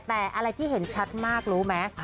แต่อะไรที่เห็นชัดมากรู้ไหม